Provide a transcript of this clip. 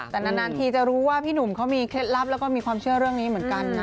แต่นานทีจะรู้ว่าพี่หนุ่มเขามีเคล็ดลับแล้วก็มีความเชื่อเรื่องนี้เหมือนกันนะ